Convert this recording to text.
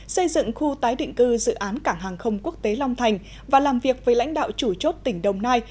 xây dựng khu tái định cư dự án cảng hàng không quốc tế long thành và làm việc với lãnh đạo chủ chốt tỉnh đồng nai